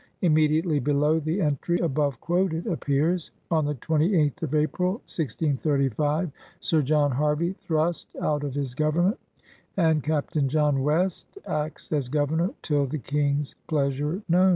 Immediately below the entry above quoted appears: "On the 28th of April, 1635, Sr. John Harvey thrust out of his government, and Capt. John West acts as Governor till the King's pleasure known."'